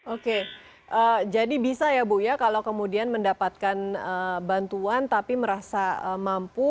oke jadi bisa ya bu ya kalau kemudian mendapatkan bantuan tapi merasa mampu